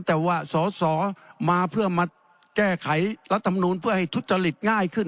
แต่ว่าสอสอมาเพื่อมาแก้ไขรัฐมนูลเพื่อให้ทุจริตง่ายขึ้น